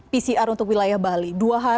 pcr untuk wilayah bali